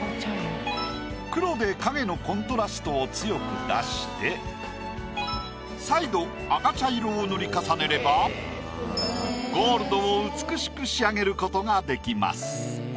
黒で影のコントラストを強く出して再度赤茶色を塗り重ねればゴールドを美しく仕上げる事ができます。